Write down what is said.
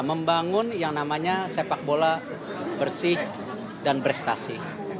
membangun yang namanya sepak bola bersih dan prestasi